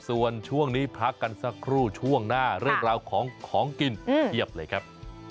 ส่วนช่วงนี้พักกันสักครู่ช่วงหน้าเรื่องราวของของกินเพียบเลยครับ